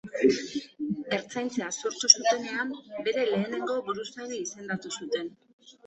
Ertzaintza sortu zutenean, bere lehenengo buruzagi izendatu zuten.